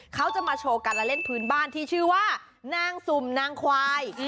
เขาจะมาโชว์การละเล่นพื้นบ้านที่ชื่อว่านางสุ่มนางควาย